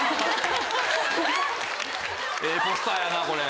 ええポスターやなこれ。